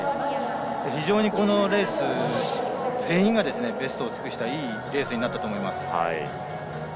非常にこのレース全員がベストを尽くしたいいレースになったと思います。